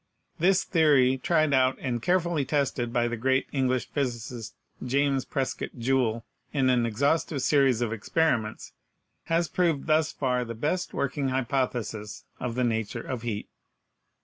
This theory, tried out and carefully tested by the great English physicist, James Prescott Joule, in an exhaustive series of experi ments, has proved thus far the best working hypothesis of the nature of heat.